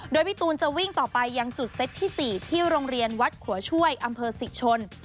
โดยพี่ตูนจะวิ่งต่อไปยังจุดเซตที่๔ที่โรงเรียนวัดขัวช่วยอำเภอศรีชน